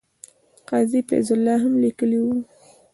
قاضي فیض الله هم لیکلي وو.